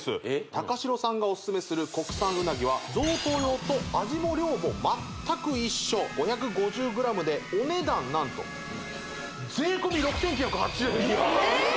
高城さんがオススメする国産うなぎは贈答用と味も量も全く一緒５５０ｇでお値段何と安っ！